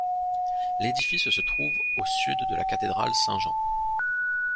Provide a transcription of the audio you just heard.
L'édifice se trouve au sud de la cathédrale Saint-Jean.